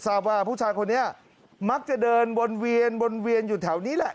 ทราบว่าผู้ชายคนนี้มักจะเดินบนเวียนอยู่แถวนี้แหละ